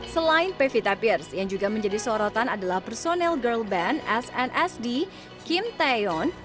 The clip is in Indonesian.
selain pevita pierce yang juga menjadi sorotan adalah personel girl band snsd kim taeyon